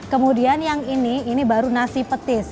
kemudian yang ini ini baru nasi petis